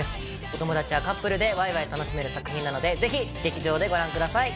お友達やカップルでわいわい楽しめる作品なのでぜひ劇場でご覧ください。